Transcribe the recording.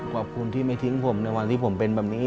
ขอบคุณที่ไม่ทิ้งผมในวันที่ผมเป็นแบบนี้